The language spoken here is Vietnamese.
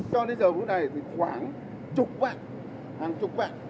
cho đến giờ hôm nay khoảng chục vạn hàng chục vạn